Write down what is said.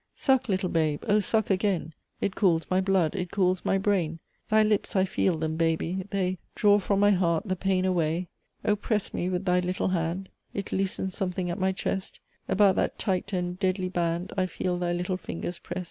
"Suck, little babe, oh suck again! It cools my blood; it cools my brain; Thy lips, I feel them, baby! They Draw from my heart the pain away. Oh! press me with thy little hand; It loosens something at my chest About that tight and deadly band I feel thy little fingers prest.